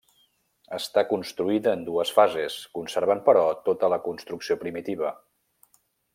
Està construïda en dues fases, conservant però, tota la construcció primitiva.